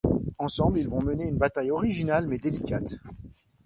Ensemble, ils vont mener une bataille originale mais délicate.